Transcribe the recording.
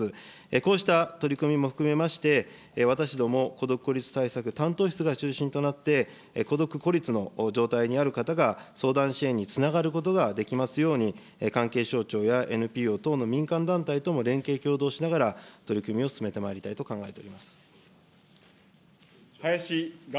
こうした取り組みも含めまして、私ども孤独・孤立対策担当室が中心となって、孤独・孤立の状態にある方が相談支援につながることができますように、関係省庁やＮＰＯ等の民間団体とも連携協働しながら、取り組みを進めてまいりたいと考えております。